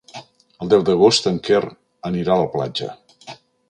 El deu d'agost en Quer anirà a la platja.